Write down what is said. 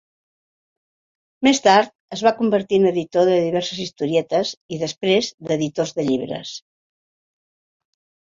Més tard es va convertir en editor de diverses historietes i després d'editors de llibres.